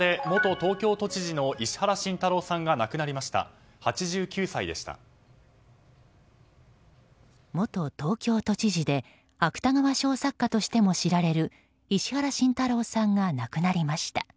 元東京都知事で芥川賞作家としても知られる石原慎太郎さんが亡くなりました。